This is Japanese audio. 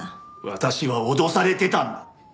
私は脅されてたんだ。